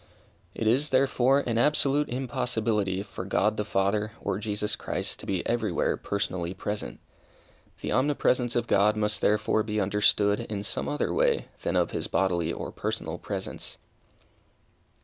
It is, therefore, an absolute impossibility for God the Father, or Jesus Christ, to be everywhere personally present. The omnipresence of God must therefore be understood in some other way than of His bodily or personal presence.